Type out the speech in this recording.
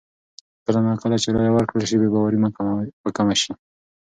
کله نا کله چې رایه ورکړل شي، بې باوري به کمه شي.